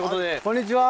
こんにちは。